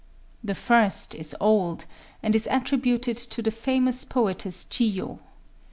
The first is old, and is attributed to the famous poetess Chiyo.